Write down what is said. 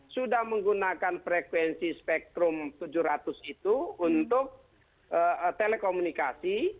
sudah menggunakan frekuensi spektrum tujuh ratus itu untuk telekomunikasi